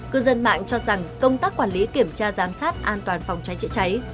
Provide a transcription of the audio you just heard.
cư dân mạng cho rằng công tác quản lý kiểm tra giám sát an toàn phòng cháy chữa cháy